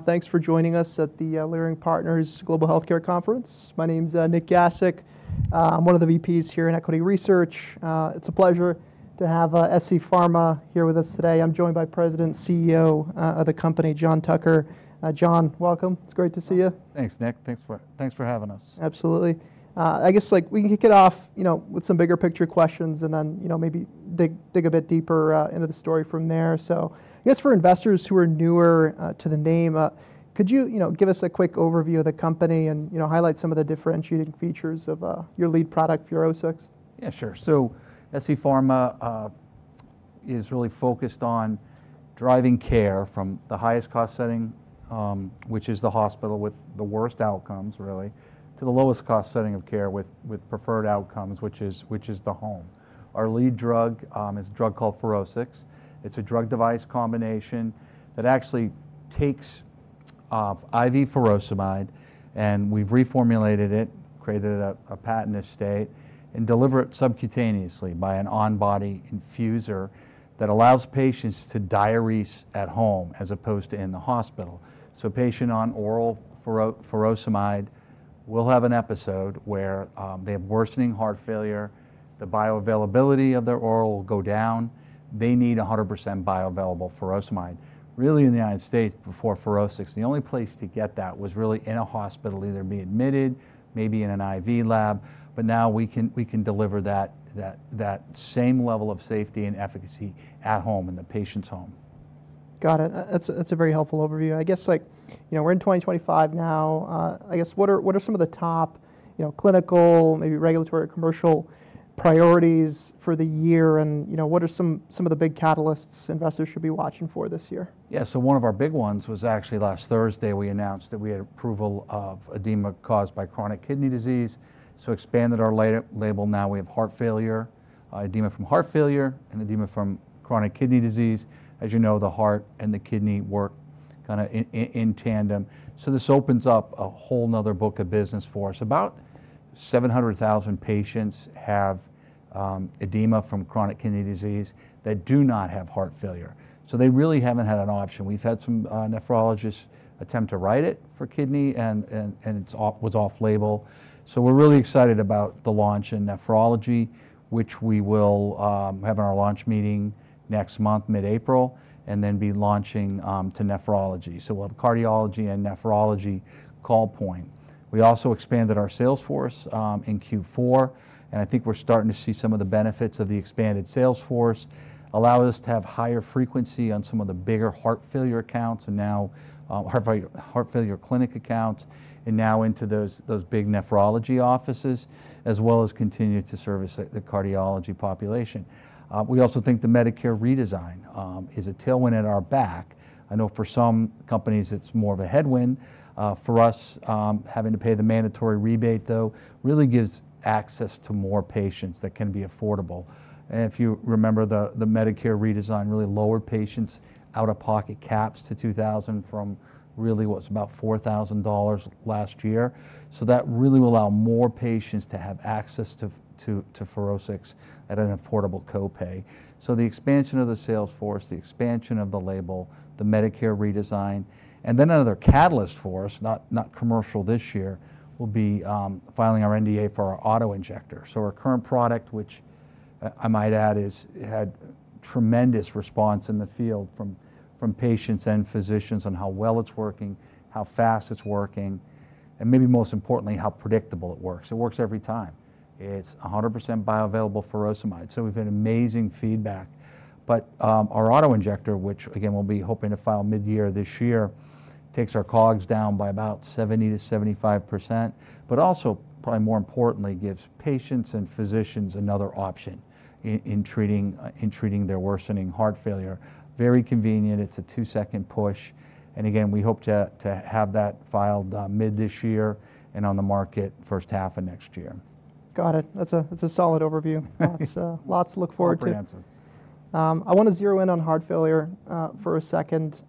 Thanks for joining us at the Leerink Partners Global Healthcare Conference. My name's Nik Gasic. I'm one of the VPs here in Equity Research. It's a pleasure to have scPharmaceuticals here with us today. I'm joined by President and CEO of the company, John Tucker. John, welcome. It's great to see you. Thanks, Nik. Thanks for having us. Absolutely. I guess we can kick it off with some bigger picture questions and then maybe dig a bit deeper into the story from there. I guess for investors who are newer to the name, could you give us a quick overview of the company and highlight some of the differentiating features of your lead product, FUROSCIX? Yeah, sure. scPharmaceuticals is really focused on driving care from the highest cost setting, which is the hospital with the worst outcomes, really, to the lowest cost setting of care with preferred outcomes, which is the home. Our lead drug is a drug called FUROSCIX. It's a drug-device combination that actually takes IV furosemide, and we've reformulated it, created a patent estate, and delivered it subcutaneously by an on-body infuser that allows patients to diurese at home as opposed to in the hospital. A patient on oral furosemide will have an episode where they have worsening heart failure. The bioavailability of their oral will go down. They need 100% bioavailable furosemide. Really, in the United States, before FUROSCIX, the only place to get that was really in a hospital, either be admitted, maybe in an IV lab. Now we can deliver that same level of safety and efficacy at home in the patient's home. Got it. That's a very helpful overview. I guess we're in 2025 now. I guess what are some of the top clinical, maybe regulatory, or commercial priorities for the year? What are some of the big catalysts investors should be watching for this year? Yeah, so one of our big ones was actually last Thursday. We announced that we had approval of edema caused by chronic kidney disease. So expanded our label now. We have heart failure, edema from heart failure, and edema from chronic kidney disease. As you know, the heart and the kidney work kind of in tandem. This opens up a whole nother book of business for us. About 700,000 patients have edema from chronic kidney disease that do not have heart failure. They really haven't had an option. We've had some nephrologists attempt to write it for kidney, and it was off-label. We're really excited about the launch in nephrology, which we will have in our launch meeting next month, mid-April, and then be launching to nephrology. We'll have cardiology and nephrology call point. We also expanded our sales force in Q4. I think we're starting to see some of the benefits of the expanded sales force allow us to have higher frequency on some of the bigger heart failure accounts and now heart failure clinic accounts and now into those big nephrology offices, as well as continue to service the cardiology population. We also think the Medicare redesign is a tailwind at our back. I know for some companies, it's more of a headwind. For us, having to pay the mandatory rebate, though, really gives access to more patients that can be affordable. If you remember the Medicare redesign, it really lowered patients' out-of-pocket caps to $2,000 from really what was about $4,000 last year. That really will allow more patients to have access to FUROSCIX at an affordable copay. The expansion of the sales force, the expansion of the label, the Medicare redesign, and then another catalyst for us, not commercial this year, will be filing our NDA for our autoinjector. Our current product, which I might add, has had tremendous response in the field from patients and physicians on how well it's working, how fast it's working, and maybe most importantly, how predictable it works. It works every time. It's 100% bioavailable furosemide. We have had amazing feedback. Our autoinjector, which again, we'll be hoping to file mid-year this year, takes our COGS down by about 70%-75%, but also, probably more importantly, gives patients and physicians another option in treating their worsening heart failure. Very convenient. It's a two-second push. We hope to have that filed mid this year and on the market first half of next year. Got it. That's a solid overview. Lots to look forward to. Great answer. I want to zero in on heart failure for a second.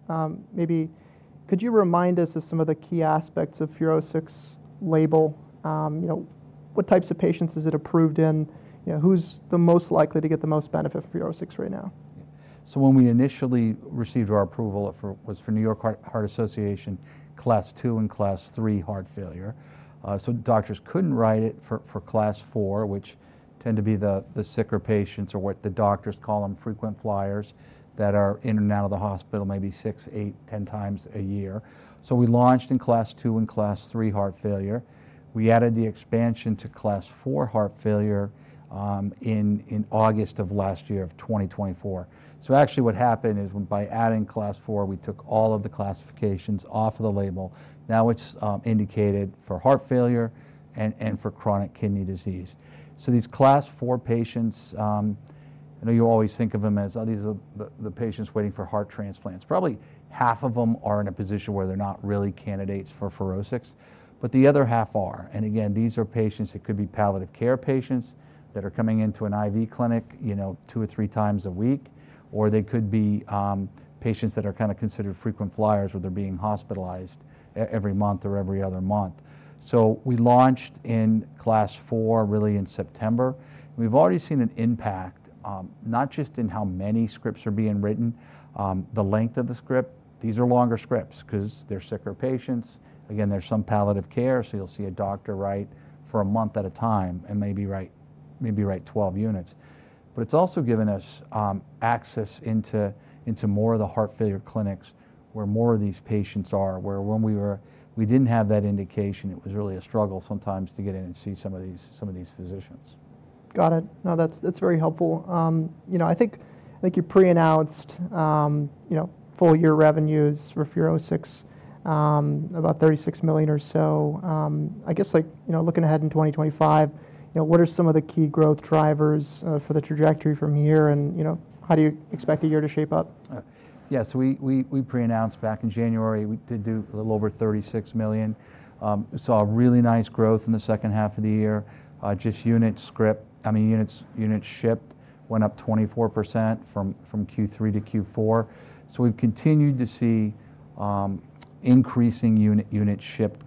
Maybe could you remind us of some of the key aspects of FUROSCIX label? What types of patients is it approved in? Who's the most likely to get the most benefit from FUROSCIX right now? When we initially received our approval, it was for New York Heart Association Class II and Class III heart failure. Doctors could not write it for Class IV, which tend to be the sicker patients or what the doctors call them frequent flyers that are in and out of the hospital maybe six, eight, ten times a year. We launched in Class II and Class III heart failure. We added the expansion to Class IV heart failure in August of last year of 2024. Actually, what happened is by adding Class IV, we took all of the classifications off of the label. Now it is indicated for heart failure and for chronic kidney disease. These Class IV patients, I know you always think of them as the patients waiting for heart transplants. Probably half of them are in a position where they're not really candidates for FUROSCIX, but the other half are. Again, these are patients that could be palliative care patients that are coming into an IV clinic two or three times a week, or they could be patients that are kind of considered frequent flyers where they're being hospitalized every month or every other month. We launched in Class IV really in September. We've already seen an impact not just in how many scripts are being written, the length of the script. These are longer scripts because they're sicker patients. Again, there's some palliative care, so you'll see a doctor write for a month at a time and maybe write 12 units. It is also given us access into more of the heart failure clinics where more of these patients are, where when we did not have that indication, it was really a struggle sometimes to get in and see some of these physicians. Got it. No, that's very helpful. I think you pre-announced full year revenues for FUROSCIX, about $36 million or so. I guess looking ahead in 2025, what are some of the key growth drivers for the trajectory from here? And how do you expect the year to shape up? Yeah, so we pre-announced back in January, we did do a little over $36 million. We saw really nice growth in the second half of the year. Just units, I mean, units shipped went up 24% from Q3 to Q4. We have continued to see increasing unit shipped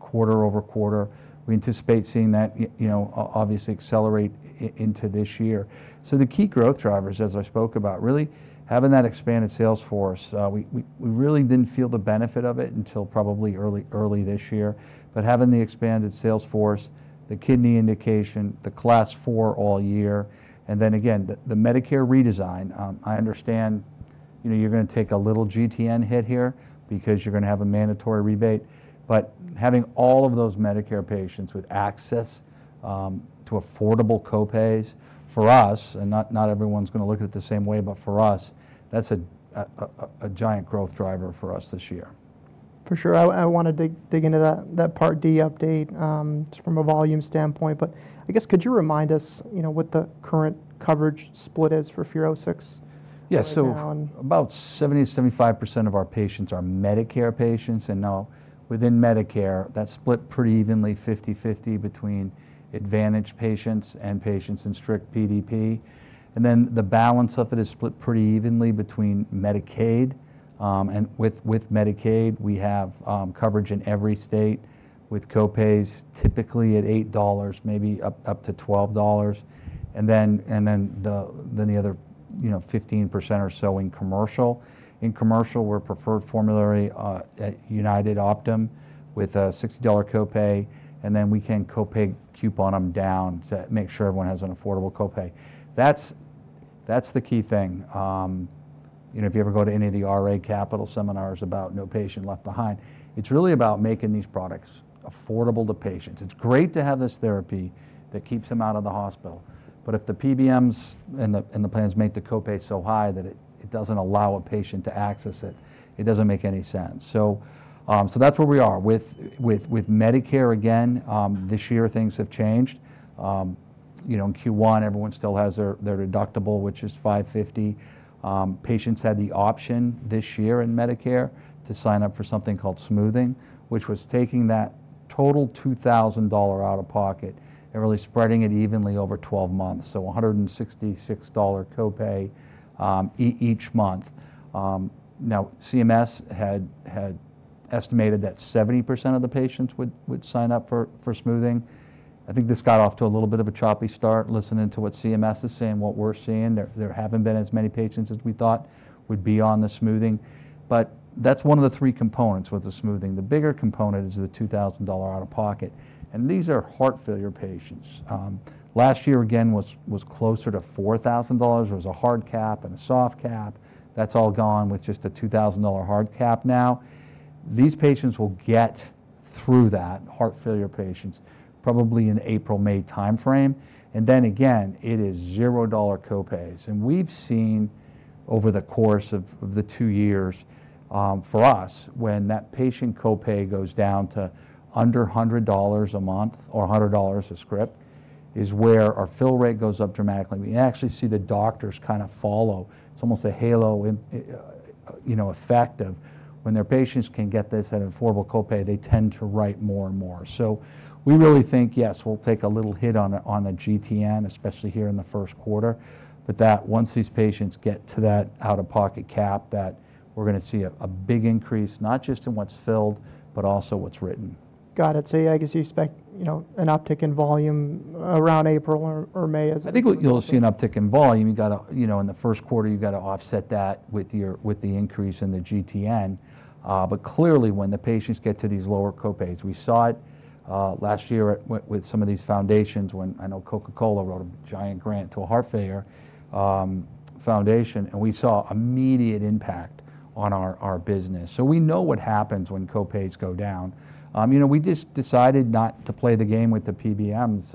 quarter over quarter. We anticipate seeing that obviously accelerate into this year. The key growth drivers, as I spoke about, really having that expanded sales force. We really did not feel the benefit of it until probably early this year. Having the expanded sales force, the kidney indication, the Class IV all year, and then again, the Medicare redesign. I understand you are going to take a little GTN hit here because you are going to have a mandatory rebate. Having all of those Medicare patients with access to affordable copays for us, and not everyone's going to look at it the same way, but for us, that's a giant growth driver for us this year. For sure. I want to dig into that Part D update from a volume standpoint. I guess could you remind us what the current coverage split is for FUROSCIX right now? Yeah, about 70%-75% of our patients are Medicare patients. Now within Medicare, that's split pretty evenly, 50/50 between Advantage patients and patients in strict PDP. The balance of it is split pretty evenly between Medicaid. With Medicaid, we have coverage in every state with copays typically at $8, maybe up to $12. The other 15% or so are in commercial. In commercial, we're preferred formulary at United Optum with a $60 copay. We can copay coupon them down to make sure everyone has an affordable copay. That's the key thing. If you ever go to any of the RA Capital seminars about no patient left behind, it's really about making these products affordable to patients. It's great to have this therapy that keeps them out of the hospital. If the PBMs and the plans make the copay so high that it doesn't allow a patient to access it, it doesn't make any sense. That is where we are. With Medicare, again, this year things have changed. In Q1, everyone still has their deductible, which is $550. Patients had the option this year in Medicare to sign up for something called smoothing, which was taking that total $2,000 out of pocket and really spreading it evenly over 12 months. $166 copay each month. Now, CMS had estimated that 70% of the patients would sign up for smoothing. I think this got off to a little bit of a choppy start, listening to what CMS is saying, what we are seeing. There have not been as many patients as we thought would be on the smoothing. That is one of the three components with the smoothing. The bigger component is the $2,000 out of pocket. And these are heart failure patients. Last year, again, was closer to $4,000. There was a hard cap and a soft cap. That's all gone with just a $2,000 hard cap now. These patients will get through that, heart failure patients, probably in April, May timeframe. And then again, it is $0 copays. We have seen over the course of the two years for us, when that patient copay goes down to under $100 a month or $100 a script, is where our fill rate goes up dramatically. We actually see the doctors kind of follow. It's almost a halo effect of when their patients can get this at an affordable copay, they tend to write more and more. We really think, yes, we'll take a little hit on the GTN, especially here in the first quarter, but that once these patients get to that out-of-pocket cap, that we're going to see a big increase, not just in what's filled, but also what's written. Got it. Yeah, I guess you expect an uptick in volume around April or May as well. I think you'll see an uptick in volume. In the first quarter, you've got to offset that with the increase in the GTN. Clearly, when the patients get to these lower copays, we saw it last year with some of these foundations when I know Coca-Cola wrote a giant grant to a heart failure foundation. We saw immediate impact on our business. We know what happens when copays go down. We just decided not to play the game with the PBMs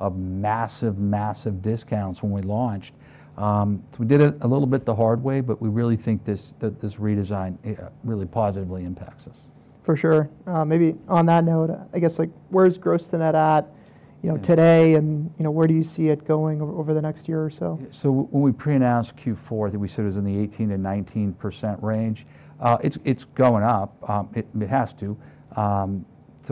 of massive, massive discounts when we launched. We did it a little bit the hard way, but we really think this redesign really positively impacts us. For sure. Maybe on that note, I guess where's gross to net at today and where do you see it going over the next year or so? When we pre-announced Q4, we said it was in the 18%-19% range. It's going up. It has to.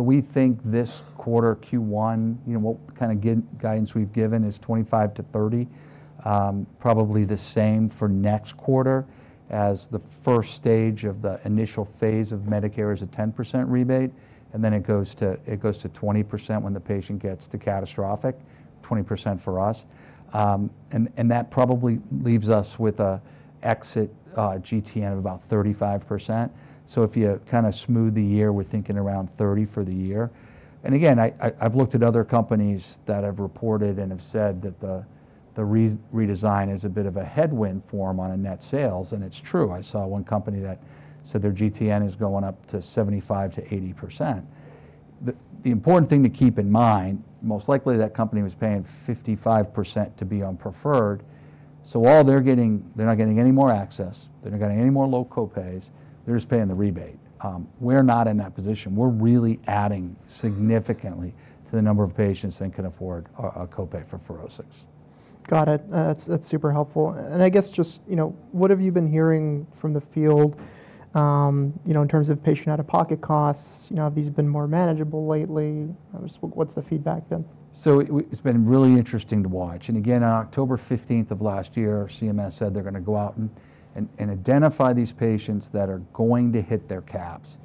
We think this quarter, Q1, what kind of guidance we've given is 25%-30%, probably the same for next quarter as the first stage of the initial phase of Medicare is a 10% rebate. Then it goes to 20% when the patient gets to catastrophic, 20% for us. That probably leaves us with an exit GTN of about 35%. If you kind of smooth the year, we're thinking around 30% for the year. Again, I've looked at other companies that have reported and have said that the redesign is a bit of a headwind form on net sales. It's true. I saw one company that said their GTN is going up to 75%-80%. The important thing to keep in mind, most likely that company was paying 55% to be on preferred. So while they're not getting any more access, they're not getting any more low copays, they're just paying the rebate. We're not in that position. We're really adding significantly to the number of patients that can afford a copay for FUROSCIX. Got it. That's super helpful. I guess just what have you been hearing from the field in terms of patient out-of-pocket costs? Have these been more manageable lately? What's the feedback been? It's been really interesting to watch. Again, on October 15th of last year, CMS said they're going to go out and identify these patients that are going to hit their caps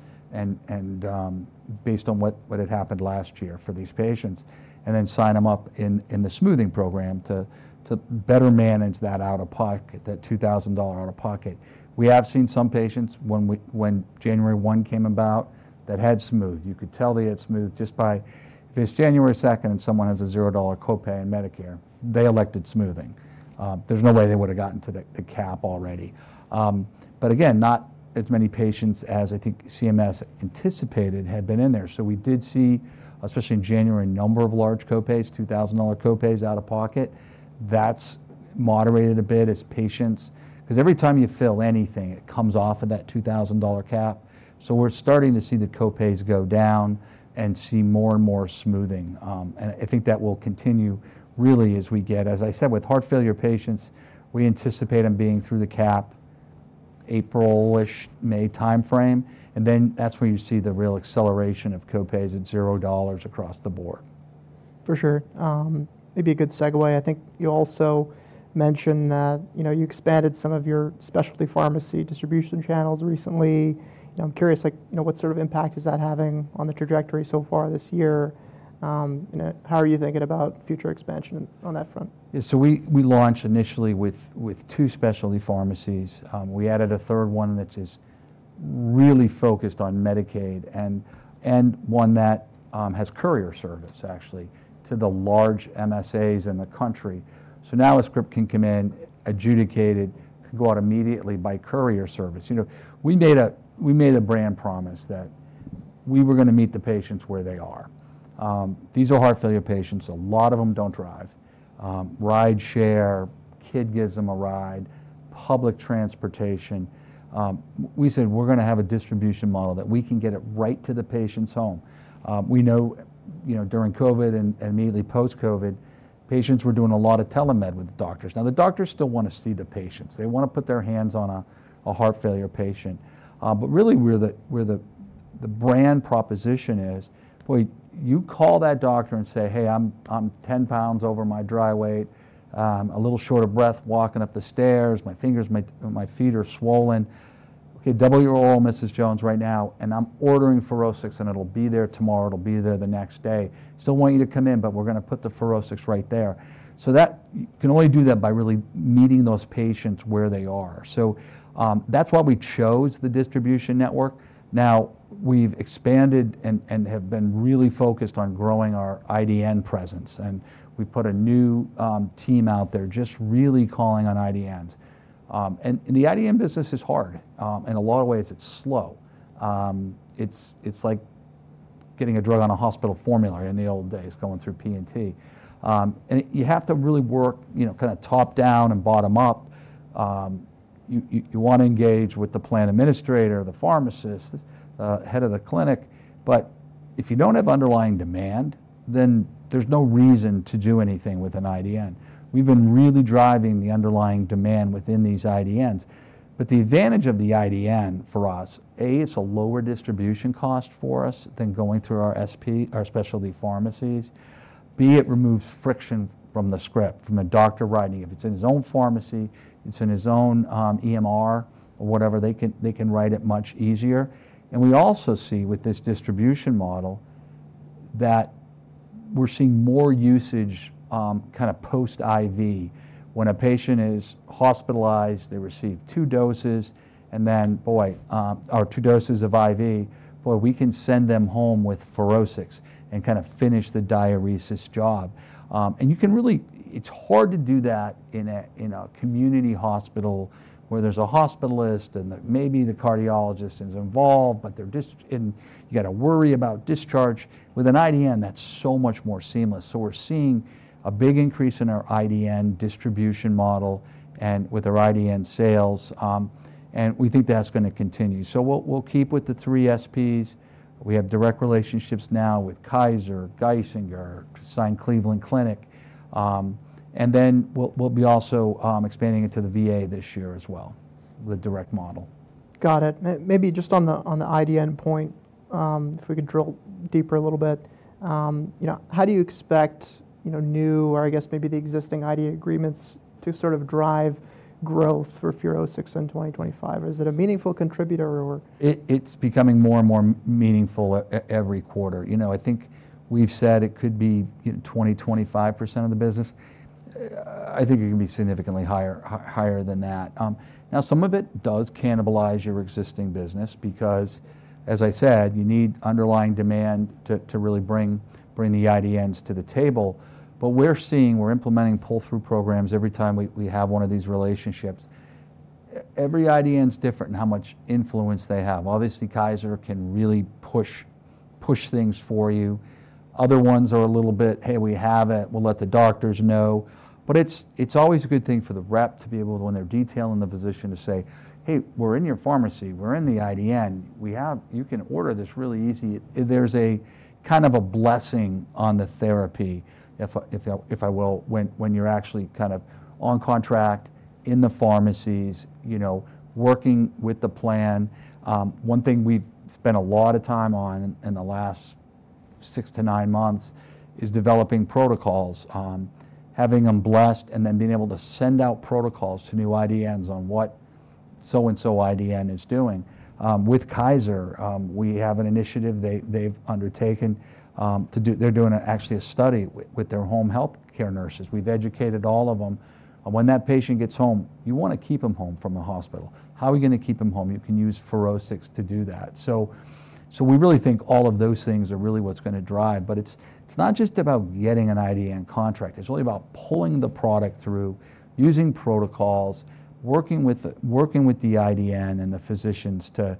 based on what had happened last year for these patients, and then sign them up in the smoothing program to better manage that out-of-pocket, that $2,000 out-of-pocket. We have seen some patients when January 1 came about that had smoothed. You could tell they had smoothed just by if it's January 2nd and someone has a $0 copay in Medicare, they elected smoothing. There's no way they would have gotten to the cap already. Again, not as many patients as I think CMS anticipated had been in there. We did see, especially in January, a number of large copays, $2,000 copays out of pocket. That's moderated a bit as patients because every time you fill anything, it comes off of that $2,000 cap. We're starting to see the copays go down and see more and more smoothing. I think that will continue really as we get, as I said, with heart failure patients, we anticipate them being through the cap April-ish, May timeframe. That's where you see the real acceleration of copays at $0 across the board. For sure. Maybe a good segue. I think you also mentioned that you expanded some of your specialty pharmacy distribution channels recently. I'm curious, what sort of impact is that having on the trajectory so far this year? How are you thinking about future expansion on that front? Yeah, we launched initially with two specialty pharmacies. We added a third one that is really focused on Medicaid and one that has courier service actually to the large MSAs in the country. Now a script can come in adjudicated, can go out immediately by courier service. We made a brand promise that we were going to meet the patients where they are. These are heart failure patients. A lot of them don't drive. Rideshare, kid gives them a ride, public transportation. We said we're going to have a distribution model that we can get it right to the patient's home. We know during COVID and immediately post-COVID, patients were doing a lot of telemed with doctors. Now, the doctors still want to see the patients. They want to put their hands on a heart failure patient. Really, where the brand proposition is, boy, you call that doctor and say, "Hey, I'm 10 pounds over my dry weight, a little short of breath walking up the stairs. My fingers, my feet are swollen. Okay, double your oral, Mrs. Jones, right now. And I'm ordering FUROSCIX, and it'll be there tomorrow. It'll be there the next day. Still want you to come in, but we're going to put the FUROSCIX right there." You can only do that by really meeting those patients where they are. That is why we chose the distribution network. Now, we've expanded and have been really focused on growing our IDN presence. We've put a new team out there just really calling on IDNs. The IDN business is hard. In a lot of ways, it's slow. It's like getting a drug on a hospital formulary in the old days, going through P&T. You have to really work kind of top down and bottom up. You want to engage with the plan administrator, the pharmacist, the head of the clinic. If you don't have underlying demand, then there's no reason to do anything with an IDN. We've been really driving the underlying demand within these IDNs. The advantage of the IDN for us, A, it's a lower distribution cost for us than going through our specialty pharmacies. B, it removes friction from the script, from a doctor writing. If it's in his own pharmacy, it's in his own EMR or whatever, they can write it much easier. We also see with this distribution model that we're seeing more usage kind of post-IV. When a patient is hospitalized, they receive two doses, and then, boy, our two doses of IV, boy, we can send them home with FUROSCIX and kind of finish the diuresis job. You can really, it's hard to do that in a community hospital where there's a hospitalist and maybe the cardiologist is involved, but you got to worry about discharge. With an IDN, that's so much more seamless. We are seeing a big increase in our IDN distribution model and with our IDN sales. We think that's going to continue. We'll keep with the three SPs. We have direct relationships now with Kaiser, Geisinger, signed Cleveland Clinic. We will be also expanding into the VA this year as well, the direct model. Got it. Maybe just on the IDN point, if we could drill deeper a little bit, how do you expect new, or I guess maybe the existing IDN agreements to sort of drive growth for FUROSCIX in 2025? Is it a meaningful contributor or? It's becoming more and more meaningful every quarter. I think we've said it could be 20%, 25% of the business. I think it can be significantly higher than that. Now, some of it does cannibalize your existing business because, as I said, you need underlying demand to really bring the IDNs to the table. We're seeing we're implementing pull-through programs every time we have one of these relationships. Every IDN is different in how much influence they have. Obviously, Kaiser can really push things for you. Other ones are a little bit, hey, we have it. We'll let the doctors know. It's always a good thing for the rep to be able, when they're detailing the physician, to say, hey, we're in your pharmacy. We're in the IDN. You can order this really easy. There's a kind of a blessing on the therapy, if I will, when you're actually kind of on contract in the pharmacies, working with the plan. One thing we've spent a lot of time on in the last six to nine months is developing protocols, having them blessed, and then being able to send out protocols to new IDNs on what so-and-so IDN is doing. With Kaiser, we have an initiative they've undertaken. They're doing actually a study with their home healthcare nurses. We've educated all of them. When that patient gets home, you want to keep him home from the hospital. How are we going to keep him home? You can use FUROSCIX to do that. We really think all of those things are really what's going to drive. It's not just about getting an IDN contract. It's really about pulling the product through, using protocols, working with the IDN and the physicians to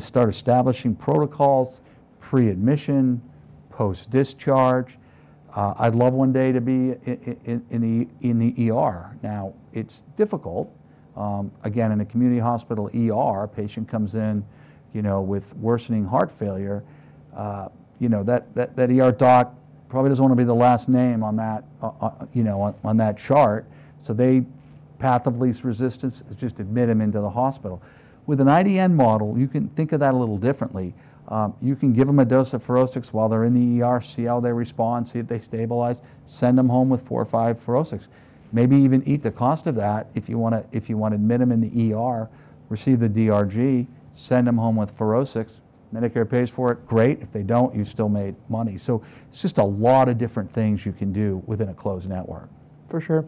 start establishing protocols, pre-admission, post-discharge. I'd love one day to be in the ER Now, it's difficult. Again, in a community hospital ER a patient comes in with worsening heart failure. That doc probably doesn't want to be the last name on that chart. The path of least resistance is just admit him into the hospital. With an IDN model, you can think of that a little differently. You can give them a dose of FUROSCIX while they're in the see how they respond, see if they stabilize, send them home with four or five FUROSCIX. Maybe even eat the cost of that if you want to admit them in the ER receive the DRG, send them home with FUROSCIX. Medicare pays for it. Great. If they don't, you still made money. It's just a lot of different things you can do within a closed network. For sure.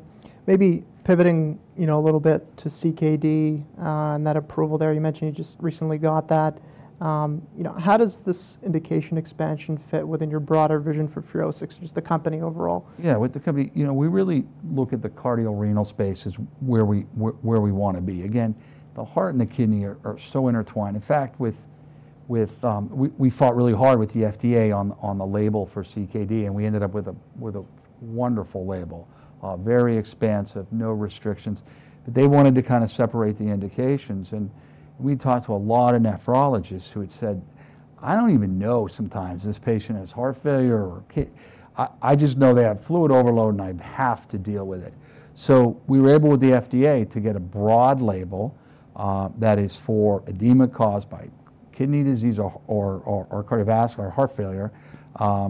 Maybe pivoting a little bit to CKD and that approval there. You mentioned you just recently got that. How does this indication expansion fit within your broader vision for FUROSCIX, just the company overall? Yeah, with the company, we really look at the cardiorenal space as where we want to be. Again, the heart and the kidney are so intertwined. In fact, we fought really hard with the FDA on the label for CKD, and we ended up with a wonderful label, very expansive, no restrictions. They wanted to kind of separate the indications. We talked to a lot of nephrologists who had said, "I don't even know sometimes this patient has heart failure or I just know they have fluid overload and I have to deal with it." We were able with the FDA to get a broad label that is for edema caused by kidney disease or cardiovascular heart failure,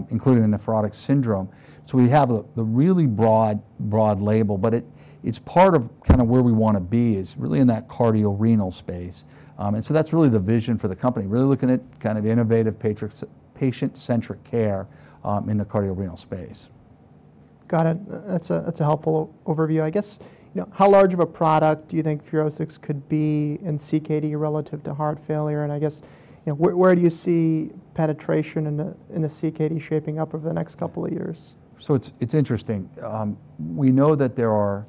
including the nephrotic syndrome. We have the really broad label, but it's part of kind of where we want to be is really in that cardiorenal space. That's really the vision for the company, really looking at kind of innovative patient-centric care in the cardiorenal space. Got it. That's a helpful overview. I guess how large of a product do you think FUROSCIX could be in CKD relative to heart failure? I guess where do you see penetration in the CKD shaping up over the next couple of years? It's interesting. We know that there are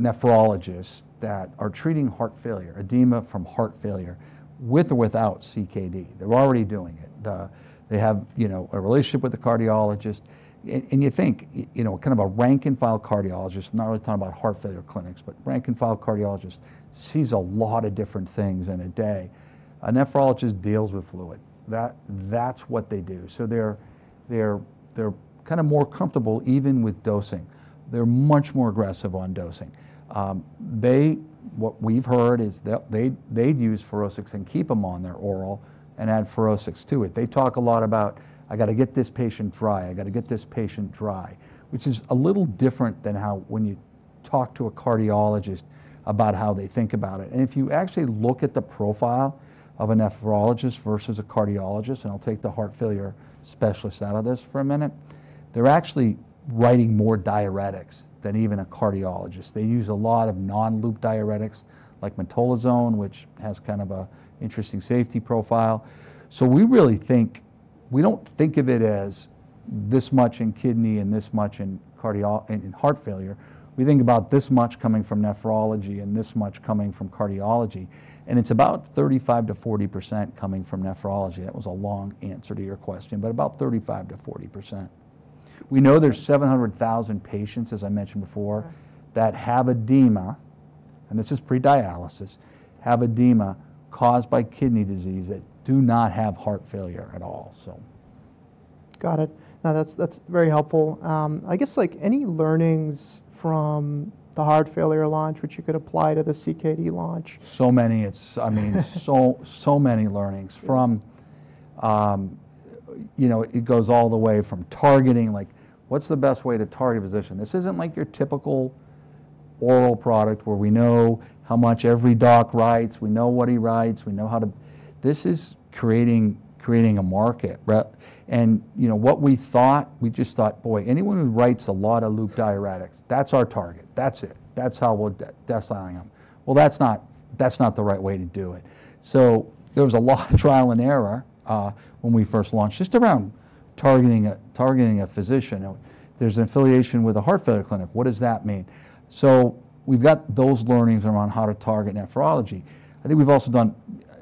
nephrologists that are treating heart failure, edema from heart failure with or without CKD. They're already doing it. They have a relationship with the cardiologist. You think kind of a rank-and-file cardiologist, not really talking about heart failure clinics, but rank-and-file cardiologist sees a lot of different things in a day. A nephrologist deals with fluid. That's what they do. They're kind of more comfortable even with dosing. They're much more aggressive on dosing. What we've heard is they'd use FUROSCIX and keep them on their oral and add FUROSCIX to it. They talk a lot about, "I got to get this patient dry. I got to get this patient dry," which is a little different than how when you talk to a cardiologist about how they think about it. If you actually look at the profile of a nephrologist versus a cardiologist, and I'll take the heart failure specialist out of this for a minute, they're actually writing more diuretics than even a cardiologist. They use a lot of non-loop diuretics like metolazone, which has kind of an interesting safety profile. We really think we don't think of it as this much in kidney and this much in heart failure. We think about this much coming from nephrology and this much coming from cardiology. It's about 35%-40% coming from nephrology. That was a long answer to your question, but about 35%-40%. We know there's 700,000 patients, as I mentioned before, that have edema, and this is pre-dialysis, have edema caused by kidney disease that do not have heart failure at all. Got it. No, that's very helpful. I guess any learnings from the heart failure launch, which you could apply to the CKD launch? So many. I mean, so many learnings. It goes all the way from targeting, like what's the best way to target a physician? This isn't like your typical oral product where we know how much every doc writes. We know what he writes. This is creating a market. And what we thought, we just thought, boy, anyone who writes a lot of loop diuretics, that's our target. That's it. That's how we're definitely going to help. That is not the right way to do it. There was a lot of trial and error when we first launched just around targeting a physician. There is an affiliation with a heart failure clinic. What does that mean? We have those learnings around how to target nephrology. I think we've also done,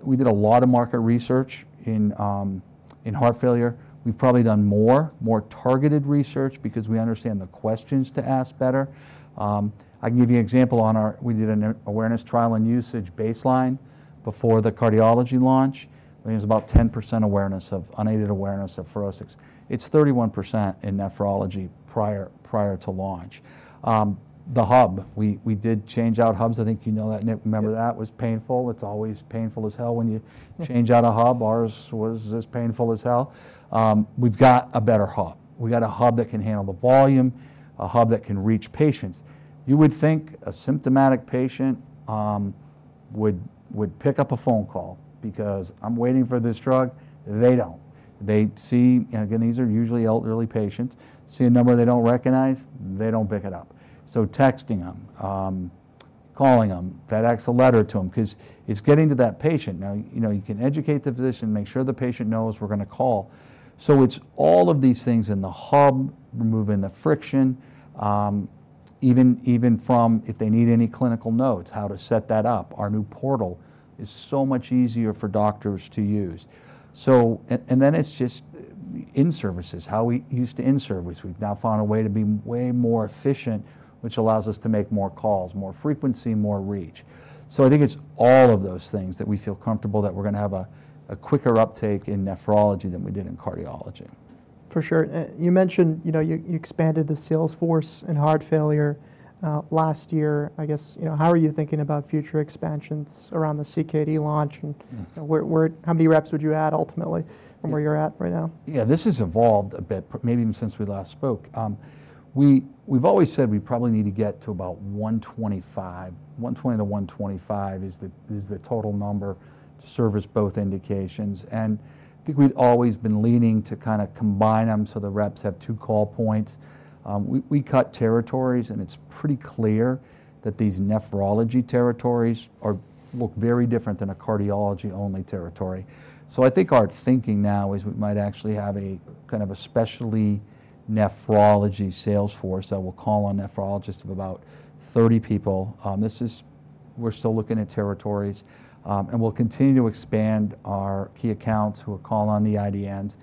we did a lot of market research in heart failure. We've probably done more, more targeted research because we understand the questions to ask better. I can give you an example. We did an awareness trial and usage baseline before the cardiology launch. I think it was about 10% awareness of unaided awareness of FUROSCIX. It's 31% in nephrology prior to launch. The hub, we did change out hubs. I think you know that. Remember that was painful. It's always painful as hell when you change out a hub. Ours was as painful as hell. We've got a better hub. We got a hub that can handle the volume, a hub that can reach patients. You would think a symptomatic patient would pick up a phone call because I'm waiting for this drug. They don't. Again, these are usually elderly patients. See a number they don't recognize, they don't pick it up. Texting them, calling them, FedEx a letter to them because it's getting to that patient. Now, you can educate the physician, make sure the patient knows we're going to call. It's all of these things in the hub, removing the friction, even from if they need any clinical notes, how to set that up. Our new portal is so much easier for doctors to use. It's just in-services, how we used to in-service. We've now found a way to be way more efficient, which allows us to make more calls, more frequency, more reach. I think it's all of those things that we feel comfortable that we're going to have a quicker uptake in nephrology than we did in cardiology. For sure. You mentioned you expanded the sales force in heart failure last year. I guess how are you thinking about future expansions around the CKD launch? How many reps would you add ultimately from where you're at right now? Yeah, this has evolved a bit, maybe even since we last spoke. We've always said we probably need to get to about 125. 120-125 is the total number to service both indications. I think we've always been leaning to kind of combine them so the reps have two call points. We cut territories, and it's pretty clear that these nephrology territories look very different than a cardiology-only territory. I think our thinking now is we might actually have a kind of a specially nephrology sales force that will call on nephrologists of about 30 people. We're still looking at territories. We'll continue to expand our key accounts who will call on the IDNs.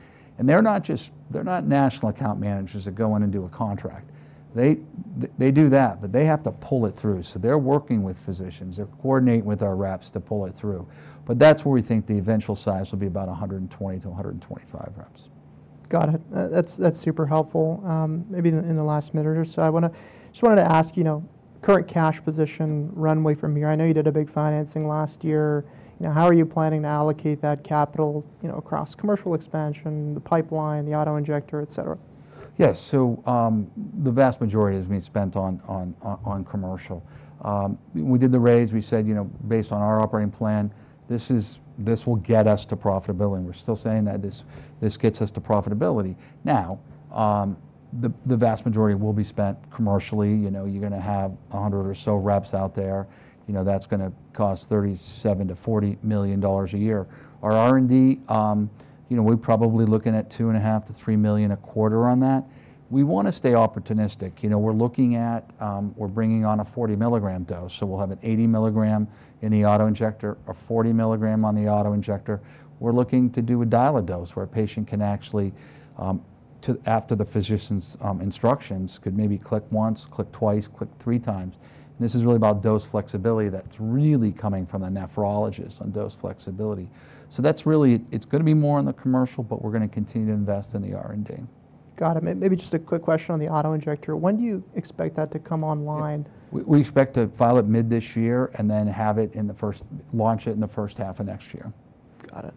They're not national account managers that go in and do a contract. They do that, but they have to pull it through. They're working with physicians. They're coordinating with our reps to pull it through. That's where we think the eventual size will be about 120-125 reps. Got it. That's super helpful. Maybe in the last minute or so, I just wanted to ask, current cash position runway from here. I know you did a big financing last year. How are you planning to allocate that capital across commercial expansion, the pipeline, the autoinjector, etc.? Yeah. The vast majority has been spent on commercial. We did the raise. We said, based on our operating plan, this will get us to profitability. We're still saying that this gets us to profitability. Now, the vast majority will be spent commercially. You're going to have 100 or so reps out there. That's going to cost $37 million-$40 million a year. Our R&D, we're probably looking at $2.5 million-$3 million a quarter on that. We want to stay opportunistic. We're looking at, we're bringing on a 40 milligram dose. So we'll have an 80 milligram in the autoinjector, a 40 milligram on the autoinjector. We're looking to do a dial-a-dose where a patient can actually, after the physician's instructions, could maybe click once, click twice, click three times. This is really about dose flexibility that's really coming from the nephrologist on dose flexibility. That's really, it's going to be more on the commercial, but we're going to continue to invest in the R&D. Got it. Maybe just a quick question on the autoinjector. When do you expect that to come online? We expect to file it mid this year and then have it in the first, launch it in the first half of next year. Got it.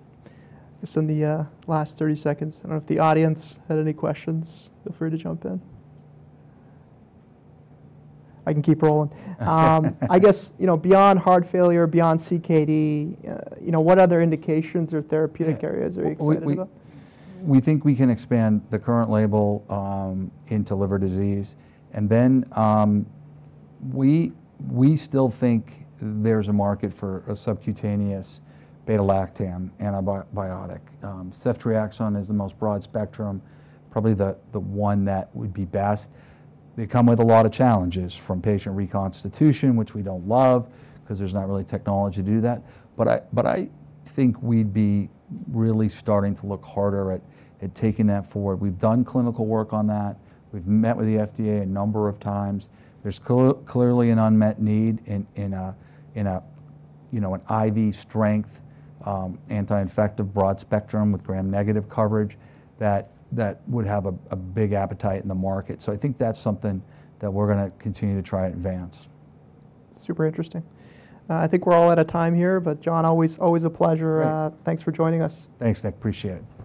Just in the last 30 seconds, I don't know if the audience had any questions. Feel free to jump in. I can keep rolling. I guess beyond heart failure, beyond CKD, what other indications or therapeutic areas are you expecting? We think we can expand the current label into liver disease. We still think there's a market for a subcutaneous beta-lactam antibiotic. Ceftriaxone is the most broad spectrum, probably the one that would be best. They come with a lot of challenges from patient reconstitution, which we don't love because there's not really technology to do that. I think we'd be really starting to look harder at taking that forward. We've done clinical work on that. We've met with the FDA a number of times. There's clearly an unmet need in an IV strength, anti-infective broad spectrum with gram-negative coverage that would have a big appetite in the market. I think that's something that we're going to continue to try and advance. Super interesting. I think we're all out of time here, but John, always a pleasure. Thanks for joining us. Thanks. I appreciate it.